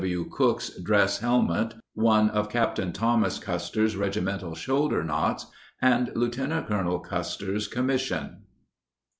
W. Cooke's dress hel met ; one of Capt. Thomas Custer's regimental shoulder knots; and Lt. Colonel Custer's commission.